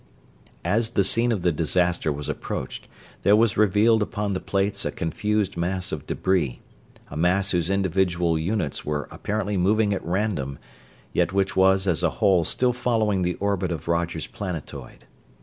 As the scene of the disaster was approached there was revealed upon the plates a confused mass of debris; a mass whose individual units were apparently moving at random: yet which was as a whole still following the orbit of Roger's planetoid.